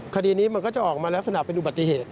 คดีนี้มันก็จะออกมาลักษณะเป็นอุบัติเหตุ